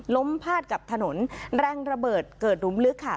พาดกับถนนแรงระเบิดเกิดหลุมลึกค่ะ